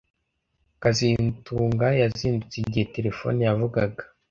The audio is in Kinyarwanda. kazitunga yazindutse igihe terefone yavugaga